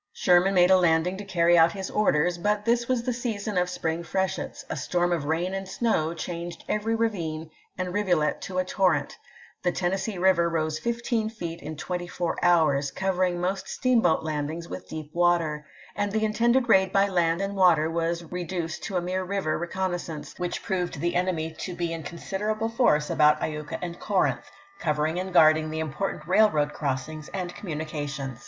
Sherman made a landing to carry out his orders ; but this was the season of spring freshets — a storm of rain and snow changed every ravine and rivulet to a torrent ; the Tennes see River rose fifteen feet in twenty four hours, covering most steamboat landings with deep water; and the intended raid by land and water was re duced to a mere river reconnaissance, which proved the enemy to be in considerable force about luka and Corinth, covering and guarding the important railroad crossings and communications.